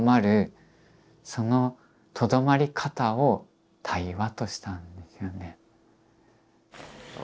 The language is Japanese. そのとどまり方を対話としたんですよね。